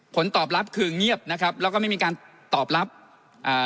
ผลตอบรับคือเงียบนะครับแล้วก็ไม่มีการตอบรับอ่า